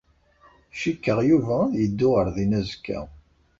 Cikkeɣ Yuba ad yeddu ɣer din azekka.